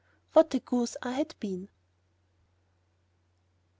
What a goose I had been!